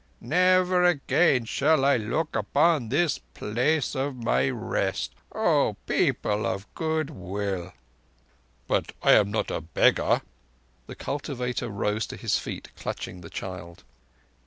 Never again shall I look upon this place of my rest, O people of good will." "But I am not a beggar." The cultivator rose to his feet, clutching the child.